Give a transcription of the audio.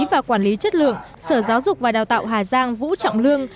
và quản lý chất lượng sở giáo dục và đào tạo hà giang vũ trọng lương